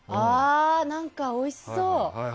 何か、おいしそう！